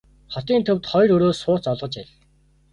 Хотын төвд хоёр өрөө сууц олгож аль.